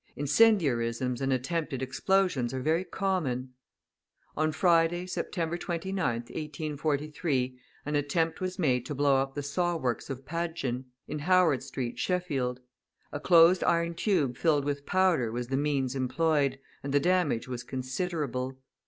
Incendiarisms and attempted explosions are very common. On Friday, September 29th, 1843, an attempt was made to blow up the saw works of Padgin, in Howard Street, Sheffield. A closed iron tube filled with powder was the means employed, and the damage was considerable.